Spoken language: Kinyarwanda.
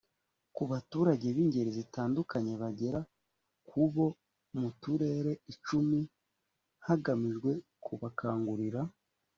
ku baturage b ingeri zitandukanye bagera ku bo mu turere icumi hagamijwe kubakangurira